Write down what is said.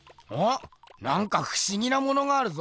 なんかふしぎなものがあるぞ。